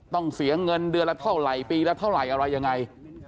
ต้องเสียเงินเดือนละเท่าไหร่ปีละเท่าไหร่อะไรยังไง